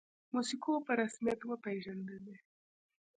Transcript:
موسکو په رسميت وپیژندلې.